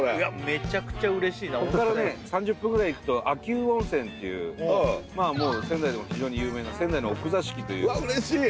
めちゃくちゃ嬉しいなこっからね３０分ぐらい行くと秋保温泉っていう仙台でも非常に有名な仙台の奥座敷というわあ嬉しい